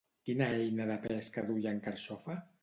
Quina eina de pesca duia en Carxofa?